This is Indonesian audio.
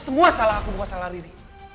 semua salah aku bukan salah riri